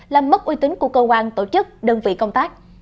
làm mất uy tín của cơ quan tổ chức đơn vị công tác